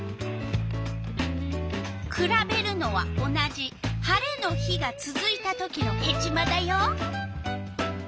くらべるのは同じ晴れの日がつづいたときのヘチマだよ。